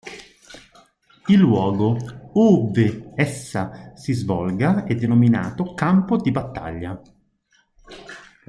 Il luogo ovve essa si svolga è denominato "campo di battaglia".